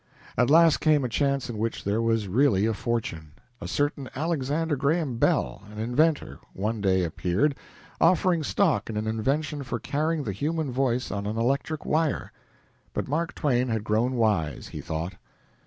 At last came a chance in which there was really a fortune. A certain Alexander Graham Bell, an inventor, one day appeared, offering stock in an invention for carrying the human voice on an electric wire. But Mark Twain had grown wise, he thought.